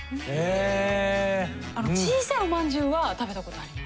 小さいおまんじゅうは食べたことあります。